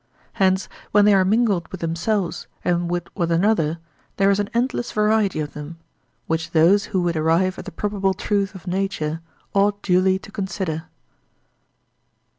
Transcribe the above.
Hence when they are mingled with themselves and with one another there is an endless variety of them, which those who would arrive at the probable truth of nature ought duly to consider.